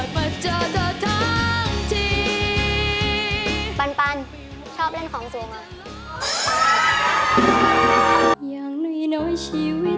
ปันชอบเล่นของสินะ